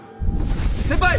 先輩！